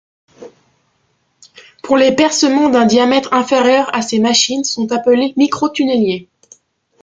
Pour les percements d’un diamètre inférieur à ces machines sont appelées microtunneliers.